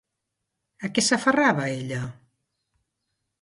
A què s'aferrava ella?